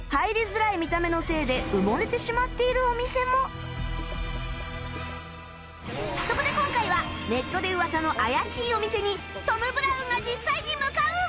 そこには中にはそこで今回はネットで噂の怪しいお店にトム・ブラウンが実際に向かう！